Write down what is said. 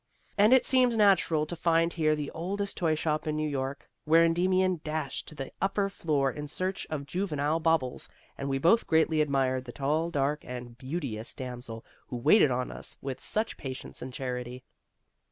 And it seems natural to find here the oldest toyshop in New York, where Endymion dashed to the upper floor in search of juvenile baubles, and we both greatly admired the tall, dark, and beauteous damsel who waited on us with such patience and charity.